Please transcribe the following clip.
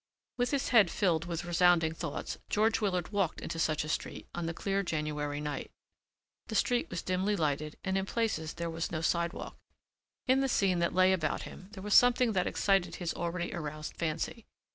With his head filled with resounding thoughts, George Willard walked into such a street on the clear January night. The street was dimly lighted and in places there was no sidewalk. In the scene that lay about him there was something that excited his already aroused fancy.